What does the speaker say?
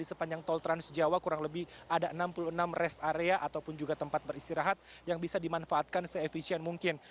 di sepanjang tol transjawa kurang lebih ada enam puluh enam rest area ataupun juga tempat beristirahat yang bisa dimanfaatkan se efisien mungkin